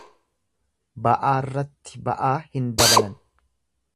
Ba'aarratti ba'aa hin dabalan.